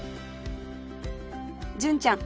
純ちゃん